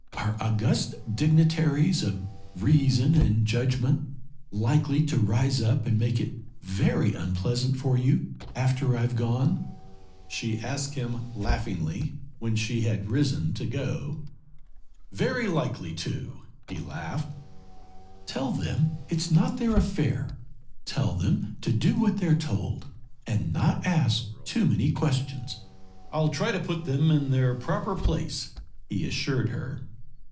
"Are august dignitaries of reason and judgment likely to rise up and make it very unpleasant for you after I've gone?" she asked him, laughingly, when she had risen to go. "Very likely to," he laughed. "Tell them it's not their affair! Tell them to do what they're told and not ask too many questions!" "I'll try to put them in their proper place," he assured her.